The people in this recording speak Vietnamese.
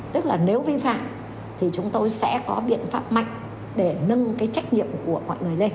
tức là nếu vi phạm thì chúng tôi sẽ có biện pháp mạnh để nâng cái trách nhiệm của mọi người lên